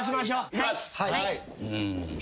いきます。